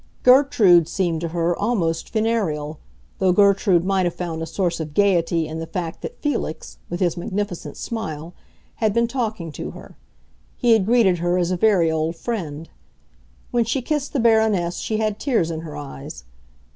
Gertrude seemed to her almost funereal, though Gertrude might have found a source of gaiety in the fact that Felix, with his magnificent smile, had been talking to her; he had greeted her as a very old friend. When she kissed the Baroness she had tears in her eyes.